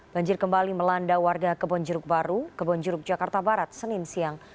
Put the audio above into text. banjir kembali melanda warga kebonjeruk baru kebonjeruk jakarta barat senin siang